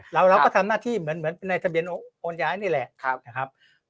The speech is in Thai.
แล้วเราก็ทำหน้าที่เหมือนในทะเบียนโอนย้ายนี่แหละ